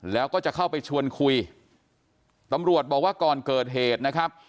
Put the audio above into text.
แล้วก็จะเข้าไปชวนคุยตำรวจบอกว่าก่อนเกิดเหตุนะครับ